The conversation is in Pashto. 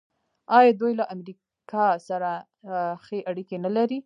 آیا دوی له امریکا سره ښې اړیکې نلري؟